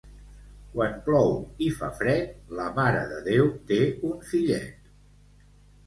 Quan plou i fa fred, la Mare de Déu té un fillet.